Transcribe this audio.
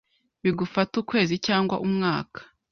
bigufate ukwezi cyangwa umwaka,